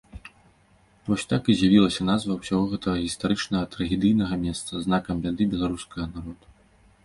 Вось так і з'явілася назва ўсяго гэтага гістарычнага трагедыйнага месца, знакам бяды беларускага народу.